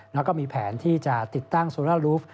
แล้วก็มีแผนที่จะติดตั้งโซล่าลูฟ